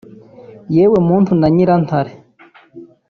yewemuntu na Nyirantare